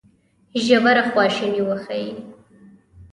ژوره خواشیني وښيي.